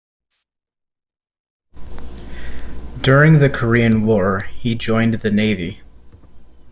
During the Korean War he joined the Navy.